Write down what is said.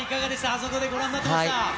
あそこでご覧になってました。